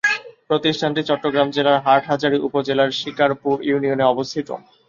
প্রতিষ্ঠানটি চট্টগ্রাম জেলার হাটহাজারী উপজেলার শিকারপুর ইউনিয়নে অবস্থিত।